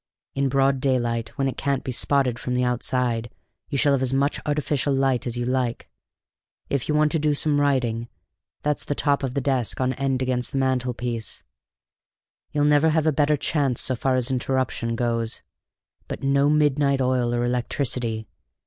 "In broad daylight, when it can't be spotted from the outside, you shall have as much artificial light as you like. If you want to do some writing, that's the top of the desk on end against the mantlepiece. You'll never have a better chance so far as interruption goes. But no midnight oil or electricity!